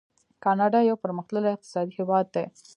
کاناډا یو پرمختللی اقتصادي هیواد دی.